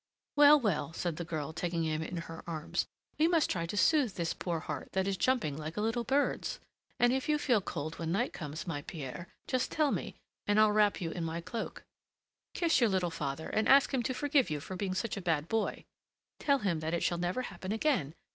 "Well, well," said the girl, taking him in her arms, "we must try to soothe this poor heart that is jumping like a little bird's, and if you feel cold when night comes, my Pierre, just tell me, and I'll wrap you in my cloak. Kiss your little father, and ask him to forgive you for being such a bad boy. Tell him that it shall never happen again!